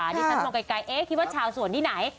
ที่ฉันมองไกลเอ๊ะคิดว่าชาวสวนที่ไหน